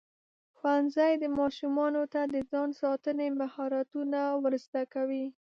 ښوونځی ماشومانو ته د ځان ساتنې مهارتونه ورزده کوي.